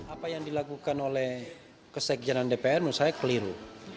apa yang dilakukan oleh kesekjenan dpr menurut saya keliru